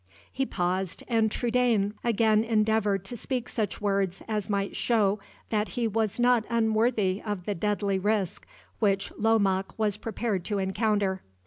He paused, and Trudaine again endeavored to speak such words as might show that he was not unworthy of the deadly risk which Lomaque was prepared to encounter.